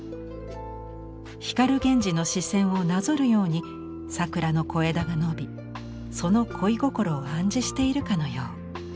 光源氏の視線をなぞるように桜の小枝が伸びその恋心を暗示しているかのよう。